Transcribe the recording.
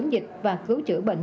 để được quản lý